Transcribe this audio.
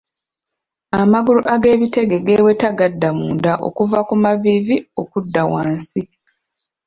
Amagulu ag'ebitege geeweta gadda munda okuva ku maviivi okudda wansi.